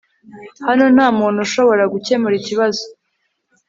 hano nta muntu ushobora gukemura ikibazo